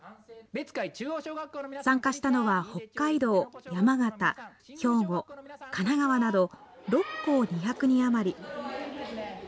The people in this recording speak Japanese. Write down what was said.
参加したのは北海道、山形、兵庫、神奈川など６校２００人あまり。